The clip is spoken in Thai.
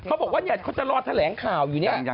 เขาบอกว่าเขาจะรอแถลงข่าวอยู่เนี่ย